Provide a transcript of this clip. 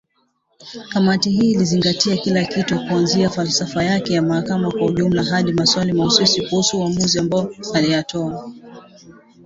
kamati hii ilizingatia kila kitu kuanzia falsafa yake ya mahakama kwa ujumla hadi maswali mahususi kuhusu maamuzi ambayo aliyatoa